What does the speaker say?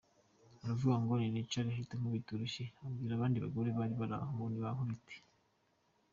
Aravuga ngo ninicare ahita ankubita urushyi, abwira abandi bagore bari bari aho ngo nibankubite.